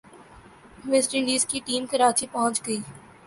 waste Indies کی team Karachi پہنچ گئی